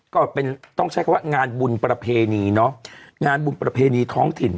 ก็เป็นต้องใช้คำว่างานบุญประเพณีเนอะงานบุญประเพณีท้องถิ่น